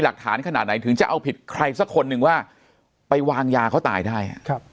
ขนาดไหนถึงจะเอาผิดใครสักคนหนึ่งว่าไปวางยาเขาตายได้